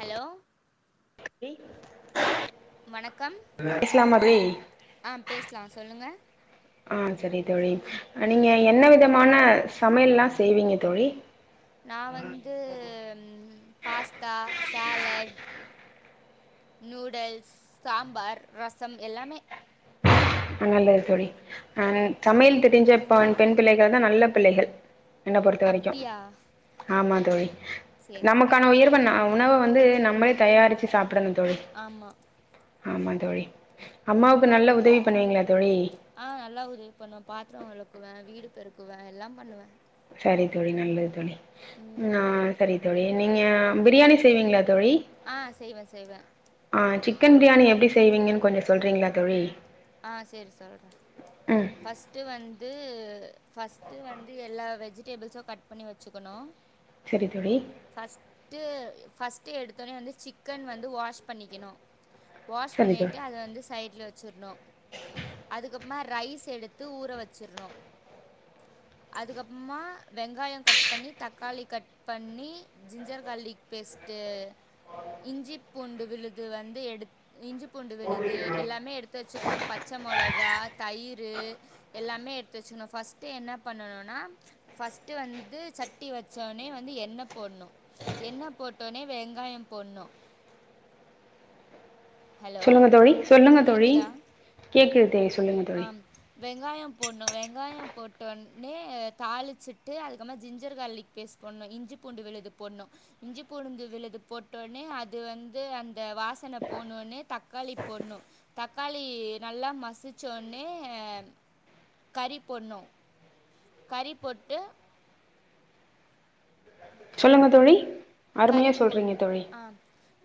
hello வணக்கம் பேசலாமா தோழி ஆ பேசலா சொல்லுங்க ஆ செரி தோழி நீங்க என்ன விதமான சமையல்லா செய்வீங்க தோழி நா வந்து pasta salad noodles sambar rasam எல்லாமே நல்லது தோழி அ சமையல் தெரிஞ்சப் ப பெண் பிள்ளைகள் தா நல்ல பிள்ளைகள் என்ன பொறுத்த வரைக்கு அப்டியா ஆமா தோழி சரி நமக்கான உயர்வ நா உணவ வந்து நம்மளே தயாரிச்சு சாப்பிட் படணு தோழி ஆமா ஆமா தோழி அம்மாவுக்கு நல்ல உதவி பண்ணுவீங்களாத் ஆ நல்லா உதவி பண்ணுவே பாத்தர வெளக்குவே வீடு பெருக்குவே எல்லா பண்ணுவே செரி தோழி நல்லது தோழி நா ம் செரி தோழி நீங்க பிரியாணி செய்வீங்களாத் ஆ செய்வே செய்வே ஆ சிக்கன் பிரியாணி எப்டி செய்வீங்கன்னு கொஞ்சோ சொல்றீங்களா தோழி ஆ சேரி சொல்ற ம் ஃபஸ்ட்டு வந் து ஃபஸ்ட்டு வந்து எல்லா வெஜிடேபிள்ஸு கட் பண்ணி வச்சுக்கணு சரி தோழி ஃபஸ்ட்டு ஃபஸ்ட் டு எடுத்தோனே வந்து சிக்கன் வந்து வாஷ் பண்ணிக்கணு வாஷ் சரி தோழி பண்ணிட்டு அத வந்து சைட்ல வ ச்சுர்னு அதுக்கப் புறமா ரைஸ் எடுத்து ஊற வச்சிர்னு அதுக்கப்புறமா வெங்காயம் கட் பண்ணி தக்காளி கட் பண்ணி ஜிஞ்சர் கார்லிக் பேஸ்ட்டு இஞ்சிப் பூண்டு விழுது வந்து எடுத் இஞ்சிப் பூண்டு விழுது எல்லாமே எடுத்து வச்சுக்கணும் பச்சை மொளகா தயிரு எல்லாமே எடுத்து வச்சுக்கணு ஃபஸ்ட்டு என்ன பண்ணணுன்னா ஃபஸ்ட்டு வந்து சட்டி வச்சோனே வந்து எண்ணெ போடணு எண்ணெ போட்டோனே வெங்காயம் போடணும் ஹலோ சொல்லுங்க தோழி சொல்லுங்க தோழி கேட்குதா கேக்குது தேஸ் ஆம் வெங்காயம் போட்னு வெங்காயம் போட்டோனே தாளிச்சிட்டு அதுக்கப்புறம் ஜிஞ்சர் கார்லிக் பேஸ்ட் போட்ணு இஞ்சி பூண்டு விழுது போட்ணு இஞ்சி பூண்டு விழுது போட்டோனே அது வந்து அந்த வாசன போனோனே தக்காளி போட்ணு தக்காளி நல்லா மசிச் சோன்னே கறி போட்ணும் கறி போட்டு சொல்லுங்க தோழி கறி அருமையா போட் சொல்றீங்க தோழி ஆ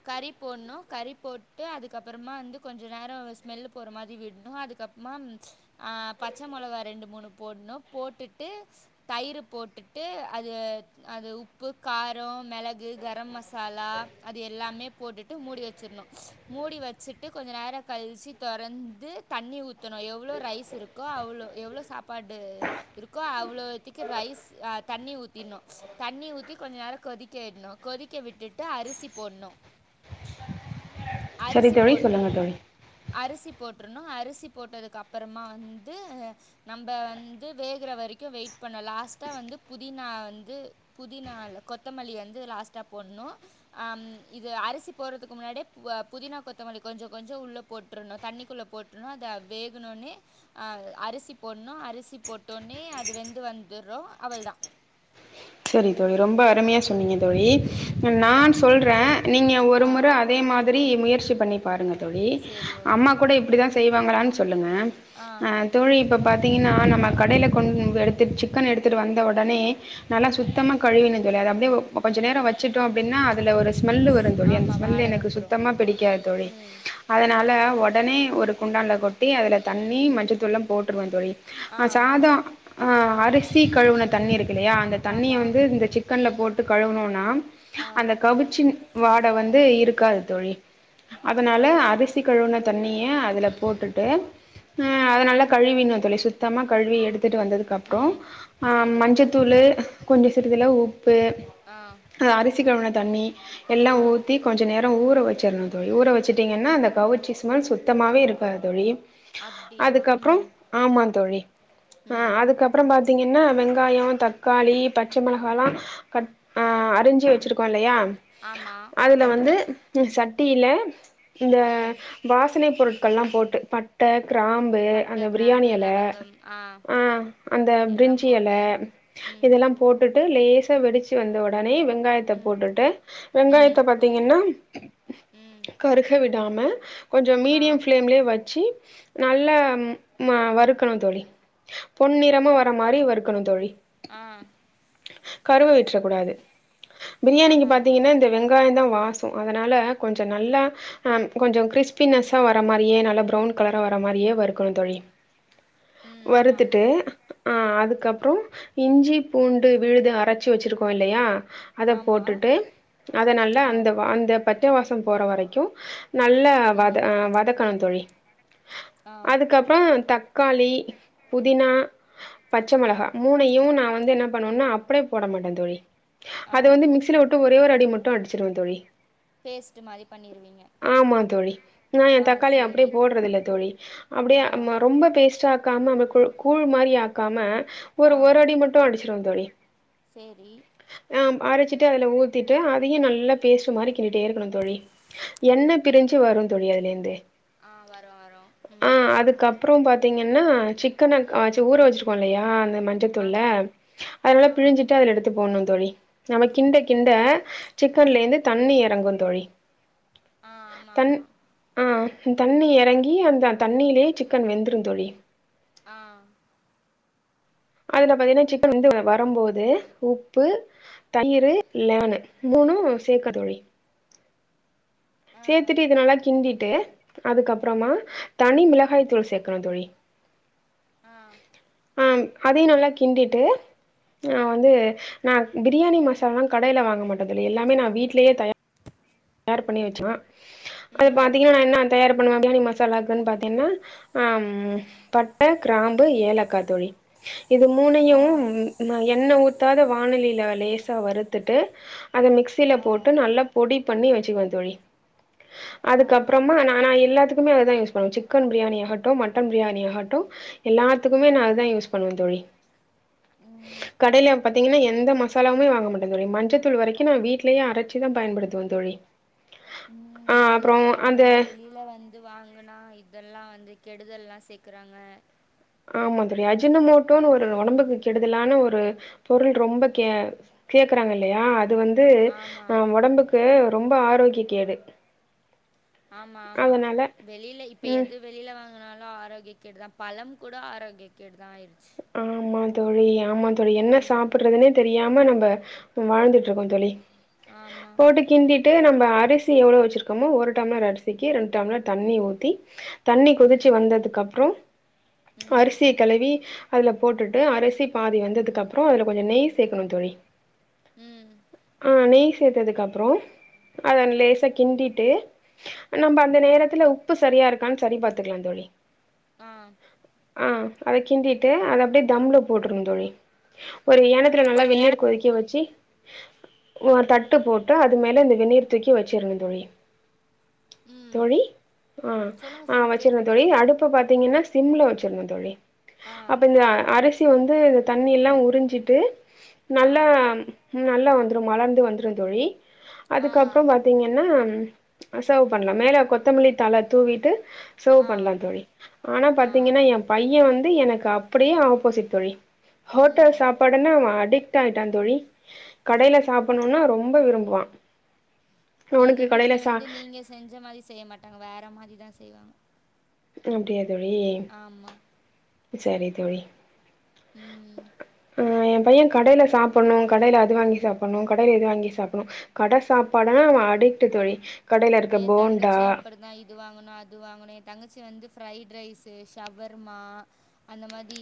கறி போட்ணு கறி போட்டு அதுக்கப்புறமா வந்து கொஞ்ச நேரம் ஸ்மெல்லு போற மாதி விட்ணு அதுக்கப்புறமா ஆ பச்ச மொளகா ரெண்டு மூணு போட்ணு போட்டுட்டு தயிர் போட்டுட்டு அது அது உப்பு காரம் மெள கு கரம் மசாலா அது எல்லாமே போட்டுட்டு மூடி வச்சிடணு மூடி வச்சுட்டு கொஞ்ச நேரம் கழிச்சு தொறந்து தண்ணி ஊத்தணு எவ்வளோ ரைஸ் இருக்கோ அவ்வளோ எவ்வளோ சாப்பாடு இருக்கோ அவ்வளோத்துக்கு ரைஸ் ஆ தண்ணி ஊத்திடணு தண்ணி ஊத்தி கொஞ்ச நேரம் கொதிக்க விட்ணு கொதிக்க விட்டுட்டு அரிசி போட்ணும் சரி அரிசி தோழி போட்ரு சொல்லுங்க தோழி அரிசி போட்டுறணு அரிசி போட்டதுக்கு அப்புறமா வந்து நம்ம வந்து வேகுற வரைக்கு வெயிட் பண்ண லாஸ்ட்டா வந்து புதினா வந்து புதினால்ல கொத்தமல்லி வந்து லாஸ்ட் ட்டா போடணும் ஆ இது அரிசி போட்றதுக்கு முன்னாடியே அ புதினா கொத்தமல்லி கொஞ்ச கொஞ்ச உள்ள போட்டுறணு தண்ணிக்குள்ள போட்டுறணு அத வேகனோன்னே அ அரிசி போட்ணு அரிசி போட்டோன்னே அது வெந்து வந்துறு அவ்ள தா சரி தோழி ரொம்ப அருமையா சொன்னீங்க தோழி ம் நான் சொல்றேன் நீங்க ஒரு ஆ முற அதே மாதி ரி முயற்சி பண்ணி பாருங்க தோழி சேரி ஓகே அம்மா கூட இப்டி தா செய் ங்களான் சொல் ல்லுங்க ஆ அ தோழி இப்ப பாத்தீங்கன்னா நம்ம கடையில கொண் எடுத்து சிக்கன் எடுத்துட்டு வந்த ஒடனே நல்லா சுத்தமா கழுவினதுல அது அப்டியே உ அ கொஞ்ச நேரோ வச்சுட்டோ அப்டின்னா அதுல ஒரு ஸ்மெல்லு வரு தோழி அந்த ஆமா வாட ஸ்மெல் எனக்கு வந்துரு சுத்தமா பிடிக்காது தோழி ம் அதனால ஒடனே ஒரு குண்டால கொட்டி அதுல தண்ணி மஞ்சள்த்தூள்லா போட்ருவே தோழி ஆ சாதோ ஆ அரிசி கழுவுன தண்ணி இருக்கில்லையா தண்ணிய ஆமா வந்து இந்த சிக்கன்ல போட் [unintelligible] கழுவுனுனா ஆ அந்த கவுச்சி வாட வந்து இருக் க்காது தோழி அதனால அரிசி கழுவுன தண்ணிய அதுல போட்டுட்டு ம் அத நல்லா கழுவிர்னு தோழி சுத்தமா கழுவி எடு த்துட்டு வந்ததுக்கப்றோ ம் ஆஹ் சேரி மஞ்சத்தூளு கொஞ்சோ சிறிதளவு உப் பு ஆ அரி சி கழுவுன தண்ணி எல்லா ஆ ஊத்தி கொஞ்ச நேரோ [unintelligible] ஊற வச்சிர்ணு தோழி ஊற வச்சுட்டீங்கன்னா அந்த கவுச்சி ஸ்மெல் சுத்தமாவே இருக்காது தோழி அப்டியா அதுக்கப்றோ ம் ஆமா தோழி ம் அஹ் அதுக்கப்றம் பாத் திங்கன்னா வெங்காயோ தக்காளி பச்ச மிளகல்லா கட் அ அரிஞ்சி வச்சிருக்கோ இல்லயா ஆமா அதுல வந்து [unintelligible] சட்டில இந்த ம் வாசனை பொருட்கள்லா போட்டு பட்ட கிராம்பு பட்ட அந்த பிரியாணி கிராம்பு எல லவங்கம் ஆ அந்த எல்லாம் பிரிஞ்சி எல போட்டு ம் இதெல்லா போட்டுட்டு லேசா வெடிச்சு வந்த ஒடனே வெங் வெங்காயத்த ம் போட்டுட்டு ம் வெங்காயத்த பாத்தீங்கன்னா ம் கருஹ விட் நாம கொஞ்சம் ஆ மீடியம் ஃப்ளேம்லயே வச்சி நல்ல ம் ம வறுக்கனு தோழி பொன் நிறமா வர மாரி வறுக்கனு தோழி ஆ கருவ விற்றக் கூடாது பிரியாணிக்கு ஆமா ஆமா பாத்தீங்கன்னா இந்த வெங்காயந்தா வாச அதனால கொஞ்ச நல்ல அ கொஞ்ச கிரிஸ்பினசா வர மாரியே நல்ல பிரவுன் கலரா வர மாரியே வருக்கணு தோழி ம் ஆமா ஆமா வருத்துட்டு ஆ அதுக் கப்றோ இஞ்சி பூண்டு விழுது அரைச்சி வச்சுருக்கோ இல்லையா அத ஆமா போட்டுட்டு அத நல்லா ஆ அந்த அந்த பட்ட வாசம் போற வரைக்கு நல்ல வத ம் அ வதக்கணு தோழி ஆ அதுக்கப்புறோ தக் காளி புதினா பச்ச மொளகா மூணையு நா வந்து என்னப் பண்ணும்னா அப்டியே போட மாட்ட தோழி ஆ அது வந்து மிக்ஸில விட்டு ஒரே ஒரு டி மட்டு அடிச்சிருடுவ தோழி பேஸ்ட்டு மாரி பண்ணிருவீங்க ஆமா தோழி நா என் ஆ தக்காளி அப்படியே சேரி போடுறது இல்ல தோழி அப்படியே ஆ ம் ரொம்ப பேஸ்ட்டா காமங்க கூழ் மாரி ஆக்காம ஒரு ஆ ஒரு அடி மட்டு அடிச் சேரி ஆஹ்ம் அரைச்சிட்டு அதுல ஊத்திட்டு அதையு நல்லா பேஸ்ட்டு மாரி கிண்டிட்டே இருக்கானு தோழி எண்ணெய் பிரிஞ்சு வரு தோழி அதுல இருந்தே ஆ வரோ வரோ உம் அப்புறோம் பாத்தீங்கன்னா சிக்கன அ ஊற வச்சிருக்கோ இல்லையா அந்த மஞ்ச தூளா ஆமா அதல ஆ பிழிஞ்சிட்டு அதுல எடுத்து போட்ணு தோழி நாம கிண்ட கிண்ட சிக்கன்லேந்து தண்ணி இறங்கு தோழி ஆ ஆமா தண் ஆமா ஆ தண்ணி இறங்கி அந்த தண்ணியிலேயே சிக்கன் வெந்துரு தோழி ஆ அதுல பாத்தீங்கன்னா சிக்கன் வந்து வரும்போது உப்பு தயிர் லெமனு மூணு சேர்கக்கத் தோழி ஆ சேர்த்துட்டு இததுனல்லா கிண்டிட்டு அதுக்கப்புறமா தனி மிளகாய் தூள் சேர்க்கணு தோழி ஆ ம் அதையு நல்லா கிண்டிட்டு நா வந்து நா பிரியாணி மசாலல்லா கடையில வாங்க மாட்டே தோழி எல்லாமே நா வீட்லேயே தய தயார் பண்ணி வச்சுருவே அது ம் பாத்தீங்கன்னா நா என்ன தயார் பிரியாணி மசாலாக்குன்னு பாத்தீங்கன்னா ஆஹ பட்ட கிராம்பு ஏலக்கா தோழி இது ஆ மூணையும் ம் எண்ண ஊத்தி பத்தாத வானலியில லேசா வறுத்துட்டு அதை மிக்ஸ்சில ஆ போட்டு நல்லா பொடி பண்ணி வச்சுக்குவே தோழி ஆ அதுக்கப்பறமா நானா இல்ல சிக்கன்னுமே‌ அதான் யூஸ் பண்ணுவேன் சிக்கன் பிரியாணி அகட்டும் மட்டன் பிரியாணி அகட்டும் எல்லாேத்துக்குமே நா அதான் ம் யூஸ் பண்ணுவேன் தோழி ம் கடைல பாத்திங்கனா எந்த மசாலமே வாங்க மாட்டேன் மஞ்சத்தூள் வரைக்கும் நான் வீட்லே அரைச்சுதான் பயன்படுத்துவேன் செரி ம் நல்லதுங்க ஏன்னா வெளில வந்து இது வாங்கனா இதெல்லா வந்து கெடுதல் எல்லாம் சேர்க்கறாங்க ஆமா தோழி அஜிரண ஒரு ம் ஒடம்புக்கு கெடுதலான ஒரு பொருள் ரொம்ப கே கேக்குறாங்க இல்லையா அது வந்து ஆமா ஒடம்புக்கு ரொம்ப ஆர் ஆரோக்கிய கேடு ஆமா ஆமா அதனால வெளில இப்ப ம் எது வெளில வாங்குனாலு ஆரோக்கியக் கேடு தா பழம் கூட ஆரோக்கிய கேடு தா ஆயிரிச்சி ஆமா தோழி ஆமா தோழி என்ன ம் சாப்புட்றதுன்னே தெரியாம நம்ம வாழ்ந்துட்டுருக்கோ தோழி ஆமா ட்டு நம்ம அரிசி எவ்ளோ வச்சிருக்கோமோ ஒரு டம்ளர் அரிசிக்கு ரெண்டு டம்ளர் தண்ணி ஊத்தி தண்ணி கொதிச்சி ம் வந்ததுக்கப்பறோ ம் அரிசிய கலுவி அதுல போட்டுட்டு அரிசி பாதி வெந்ததுக்குப்றோ அதுல கொஞ்சோ நெய் சேக்கணு தோழி ம் ஆ நெய் சேத்ததுக்கப்பறோ அத லேசா கிண்டிட்டு நம்ம அந்த நேரத்துல உப்பு சரியாருக்கான்னு செரி பாத்துக்கலா தோழி ஆஹ் ஆஹ் அத கிண்டிட் டு அத அப்டியே தம்ள போட்டுறனு தோழி ஒரு ஏனத்துல நல்லா ஒரு என வெந்நீர் கொதிக்க வச்சி ஒர் தட்டு போட்டு அது மேல இந்த வெண்ணீர் தூக்கி வச்சிரணு தோழி ம் தோழி ஆஹ் சொல்லுங்க ஆஹ் சொல்லுங்க வச்சிரணு கேட்டுட்டு தா தோழி இருக்கே அடுப்ப பாத்தீங்கன்னா சிம்ல வச்சிரணு தோழி ஆ அப்ப இந்த அரிசி வந் து தண்ணிலா உறிஞ்சிட்டு ஆ நல்லா நல்லா வந்து மலர்ந்து வந்துரோ தோழி ஆ அதுக்கப்பறோ பாத்தீங்கன்னா அஹ் செர்வ் பண்லா மேல கொத்தமல்லி தல தூவிட்டு செர்வ் ஆ பண்லா தோழி ஆனா ஆ பாத்தீங்கன்னா எ பைய வந் து எனக்கு அப்டியே ஆப்போசிட் தோழி ஹோட்டல் ம் சாப்பாடுன்னா அவ அடிக்ட் ஆயிட் டா தோழி கடைல சாப்பணுன்னா ரொம் ரொம்ப விரும்புவா எங்க அவனுக்கு வீட்ல கடையில சா வந்து நீங்க செஞ்ச மாரி செய்ய மாட்டாங்க வேற மாரிதா செய்வாங்க அப்டியா தோழி ஆமா சரி தோழி ம் ஆ என் பைய கடேல சாப்டணு கடேல அது வாங்கி சாப்டணு கடேல இது வாங்கி சாப்டணு கட சாப்பாடனா அவே அடிக்ட் தோழி கடையில இருக்க ஏ போண்டா தங்கச்சியு அப்டிதா இது வாங்கணு அது வாங்கணு ஏ தங்கச்சி வந்து ஃப்ரைட் ரைஸு ஷவர்மா அந்த மாதி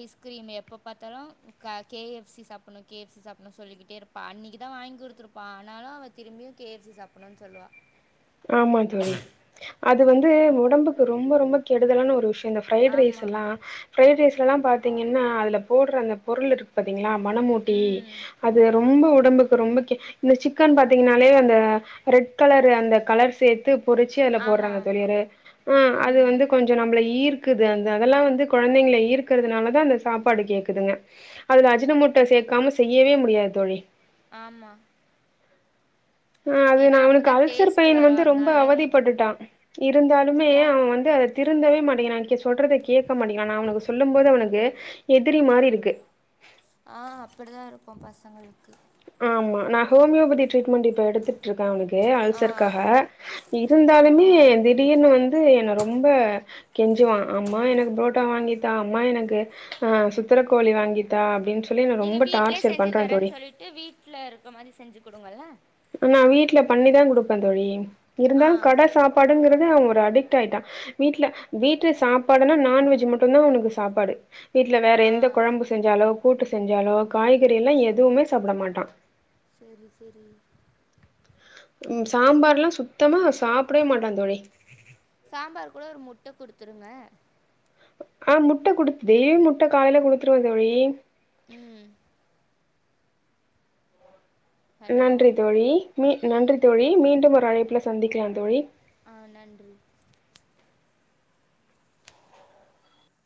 ஐஸ்கிரீம் எப்ப பாத்தாலு க கே எஃப் சி சாப்பிடணு கே எஃப் சி சாப்பிடணும்னு சொல்லிகிட்டே இருப்பா அன்னிக்குதா வாங்கி குடுத்துருப்போ ஆனாலு அவ திரும்பியு கே எஃப் சி சாப்பிடணுனு சொல்லுவா ஆமா தோழி அது வந் து வந்து ஒடம்புக்கு ரொம்ப ரொம்ப கெடுதலான ஒரு விஷயோ இந்த ஃப்ரைட் ரைஸ் ஆமா எல்லா ஃப்ரைட் ரைஸ் ட்லலா பாத்தீங்கன்னா அதுல போடுற அந்த பொருள் இருக்கு பாத்தீங்ளா மனமூட்டி ம் அது ரொம்ப ஒடம்புக்கு ரொம்ப கெ இந்த சிக்கன் பாத்தீங்கன்னாலே அந்த ரெட் கலர் அந்த கலர் சேத்து பொறிச்சு அதுல ஆமா போடுறாங்க ஆமா தோழியரே ஆ அது ம் வந்து கொஞ்சோ நம்மள ஈர் க்குது அந்த அதெல்லா வந்து கொழந்தைங்கள ஈர்க்கறதுனாலதா அந்த சாப்பாடு கேக்குதுங்க அதுல அஜினமோட்டா சேக்காம செய்யவே முடியாது தோழி ஆமா ஆ அது நா ஏன்னா அவனுக்கு அப்பதா அல்சர் டேஸ்ட் பெயின் வரு வந்து ரொம்ப அதனால அவதிப்பட்டுட்டா இருந்தாலுமே யா அவே வந்து அத திருந்தவே மாட் மாட்டேங்கிறா சொல்றத கேட்க மாட்டேங்கிறா நா அவனுக்கு சொல்லும் போது அவனுக்கு எதிரி மாரி இருக்கு ஆ அப்டிதா இருக்கு பசங்களுக்கு ஆமா நா ஹோமியோபதி ட்ரீட்மெண்ட் இப்ப எடுத்துட் ருக்கே அவனுக்கு ஆ அல்சர்காக ஆ இருந்தாலுமே திடீர்னு வந்து என்ன ரொம்ப கெஞ்சுவா அம்மா எனக்கு புரோட்டா வாங்கி தா அம்மா எனக்கு ஆ சுத்துர கோழி வாங்கித்தா அப்டின்னு சொல்லி என்ன நீங்க ரொம்ப வீட்லயே டார்ச்சர் செஞ்சி பண்றா தோழி தரேன்னு சொல்லீட்டு வீட் ல இருக்க மாதி செஞ்சு குடுங்களே நா வீட்ல பண்ணிதா குடுப்பே தோழி ஆ இருந்தாலு கட சாப்பாடு ஃபுட்டுங்கறது அவன் ஒரு அடிக்ட் ஆயிட்டா வீட்ல வீட்டு சாப்பாடுனா நான்வெஜ் மட்டும்தா அவனுக்கு சாப்பாடு வீட்ல வேற ஆ எந்த கொழம்பு செஞ்சாலோ கூட்டு செஞ்சாலோ காய்கறி எல்லா எதுமே சாப்பிட மாட்டா சரி சரி ம் சாம்பார்லா சுத்தமா சாப்பிடவே மாட்டா தோழி சாம்பார் கூட ஒரு முட்ட குடுத்துருங்க ஆ முட்ட கொடுத் டெய்லியு முட்ட காலையில குடுத்துருவே தோழி ம் ஹலோ நன்றி தோழி மீ நன்றி தோழி மீண்டும் ஒரு அழைப்புல சந்திக்கலாம் தோழி ஆ நன்றி